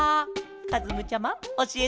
かずむちゃまおしえてケロ！